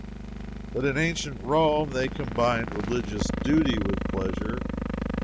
But in ancient Rome they combined religious duty with pleasure.